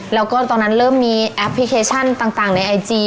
แล้วก็ตอนนั้นเริ่มมีแอปพลิเคชันต่างในไอจี